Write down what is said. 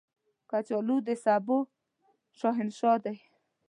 کچالو د سبو شهنشاه دی